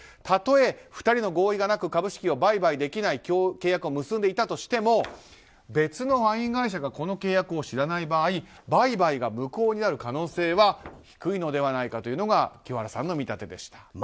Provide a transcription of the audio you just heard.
たとえ２人の合意がなく株式を売買できない契約を結んでいたとしても別のワイン会社がこの契約を知らない場合売買が無効になる可能性は低いのではないかというのが清原さんの見立てでした。